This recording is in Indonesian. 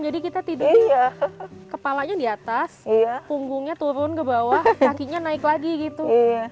jadi kita tidur kepalanya di atas punggungnya turun ke bawah kakinya naik lagi gitu